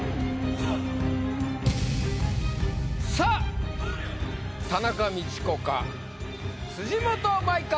さぁ田中道子か辻元舞か。